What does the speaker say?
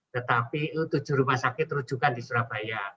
tetapi itu tujuh rumah sakit rujukan di surabaya